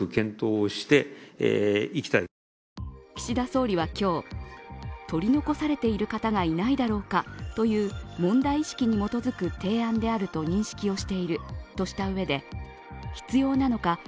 岸田総理は今日、取り残されている方がいないだろうかという問題意識に基づく提案であると認識をしているとしたうえで必要なのか